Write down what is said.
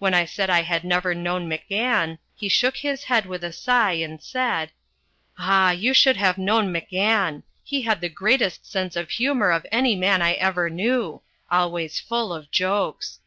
When I said I had never known McGann, he shook his head with a sigh, and said: "Ah, you should have known McGann. He had the greatest sense of humour of any man I ever knew always full of jokes.